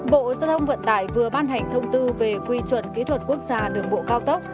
bộ giao thông vận tải vừa ban hành thông tư về quy chuẩn kỹ thuật quốc gia đường bộ cao tốc